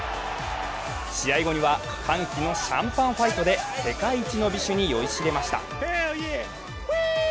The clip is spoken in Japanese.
試合後には歓喜のシャンパンファイトで世界一の美酒に酔いしれました。